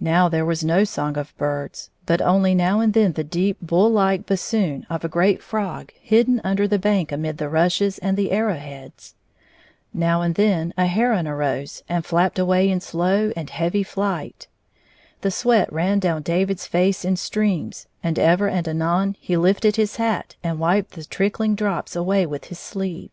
Now there was no song of birds, but only now and then the deep bull hke bassoon of a great frog hidden under the bank amid the rushes and the arrow heads. Now and then a iieron arose and flapped away in slow and heavy flight. The sweat ran down David's face in streams, and ever and anon he lifted his hat and wiped the trickhng drops away with his sleeve.